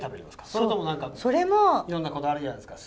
それとも何かいろんなこだわりあるじゃないですか。